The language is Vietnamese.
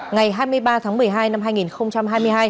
ngày hai mươi ba tháng một mươi hai năm hai nghìn hai mươi hai